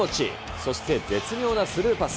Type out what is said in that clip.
そして絶妙なスルーパス。